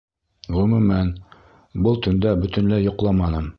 Ғөмүмән, был төндә бөтөнләй йоҡламаным.